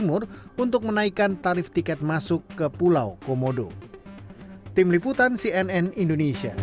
untuk menaikkan tarif tiket masuk ke pulau komodo